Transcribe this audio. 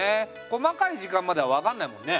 細かい時間までは分かんないもんね。